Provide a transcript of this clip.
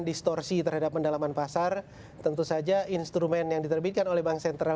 distorsi terhadap pendalaman pasar tentu saja instrumen yang diterbitkan oleh bank sentral